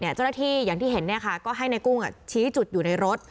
เจ้าหน้าที่อย่างที่เห็นก็ให้นายกุ้งชี้จุดอยู่ในรถ